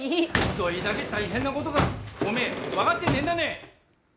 どれだけ大変はことかおめえ分かってねえんだね！